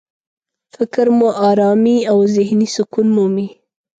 فکر مو ارامي او ذهني سکون مومي.